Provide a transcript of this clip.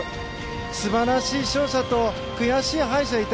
素晴らしい勝者と悔しい敗者がいた。